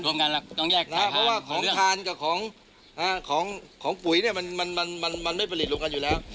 เพราะว่าของทานกับของปุ๋ยเนี่ยมันไม่ผลิตรวมกันอยู่แล้ว